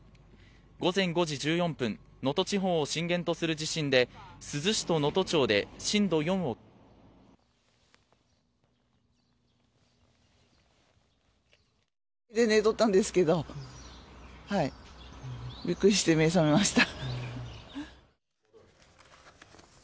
午前５時１４分、能登地方を震源とする地震で、珠洲市と能登町で震度４を。寝とったんですけど。びっくりして目が覚めました。